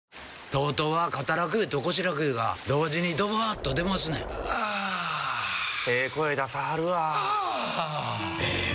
ＴＯＴＯは肩楽湯と腰楽湯が同時にドバーッと出ますねんあええ声出さはるわあええ